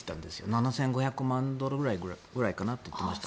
７５００万ドルくらいかなと言っていました。